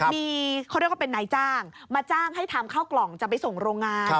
มีเขาเรียกว่าเป็นนายจ้างมาจ้างให้ทำข้าวกล่องจะไปส่งโรงงาน